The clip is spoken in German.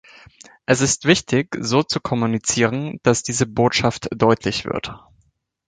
Es ist wichtig, so zu kommunizieren, dass diese Botschaft deutlich wird.